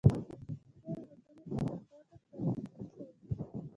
• د موسیقۍ ږغونه د احساساتو ښکارندویي کوي.